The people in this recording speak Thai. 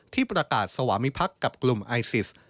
ที่ประกาศสวามิพักษ์กับกลุ่มไอซิส